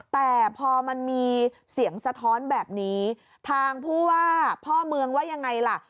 แต่พอมันมีเสียงสะท้อนแบบนี้ทางผู้ว่าพ่อเมืองว่ายังไงล่ะ